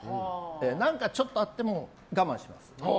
何かちょっとあっても我慢します。